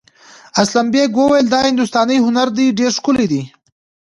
اسلم بېگ وویل دا هندوستاني هنر دی ډېر ښکلی دی.